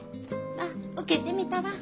ま受けてみたら。